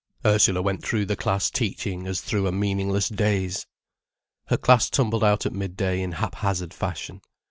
Ursula went through the class teaching as through a meaningless daze. Her class tumbled out at midday in haphazard fashion.